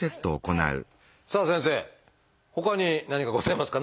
さあ先生ほかに何かございますか？